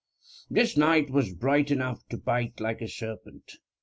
This night was bright enough to bite like a serpent.